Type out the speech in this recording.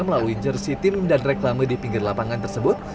melalui jersi tim dan reklame di pinggir lapangan tersebut